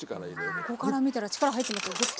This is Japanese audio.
もうね横から見たら力入ってますよグッと。